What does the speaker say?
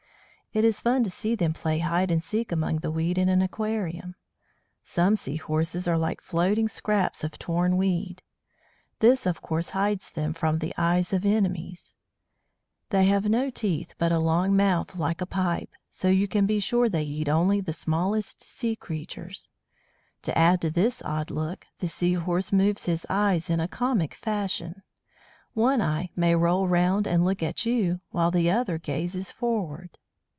It is fun to see them play hide and seek among the weed in an aquarium. Some Sea horses are like floating scraps of torn weed; this, of course, hides them from the eyes of enemies. [Illustration: SEA HORSES] They have no teeth, but a long mouth like a pipe; so you can be sure they eat only the smallest sea creatures. To add to his odd look, the Seahorse moves his eyes in a comic fashion. One eye may roll round and look at you, while the other gazes forward.